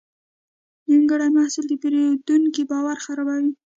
نیمګړی محصول د پیرودونکي باور خرابوي.